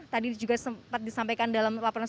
tadi juga sempat disampaikan dalam laporan